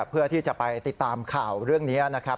เพื่อที่จะไปติดตามข่าวเรื่องนี้นะครับ